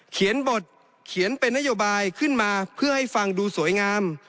เขียนบทเขียนเป็นนโยบายขึ้นมาเพื่อให้ฟังดูสวยงาม